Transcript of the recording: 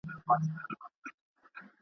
زه پوهېږم په دوږخ کي صوبه دار دئ.